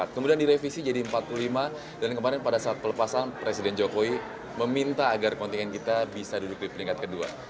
kemudian direvisi jadi empat puluh lima dan kemarin pada saat pelepasan presiden jokowi meminta agar kontingen kita bisa duduk di peringkat kedua